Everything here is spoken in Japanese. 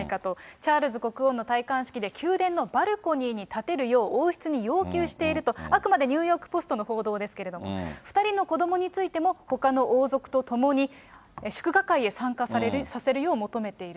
チャールズ国王の戴冠式で、宮殿のバルコニーに立てるよう王室に要求していると、あくまでニューヨークポストの報道ですけれども、２人の子どもについてもほかの王族と共に、祝賀会へ参加させるよう求めている。